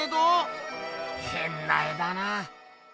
へんな絵だなあ。